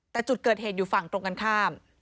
แต่จุดเกิดเหตุอยู่ฝั่งตรงกันข้าม